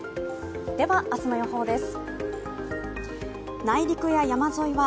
では、明日の予報です。